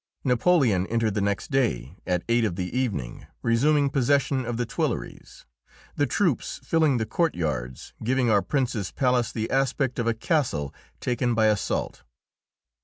Napoleon entered the next day, at eight of the evening, resuming possession of the Tuileries, the troops filling the courtyards, giving our Princes' palace the aspect of a castle taken by assault.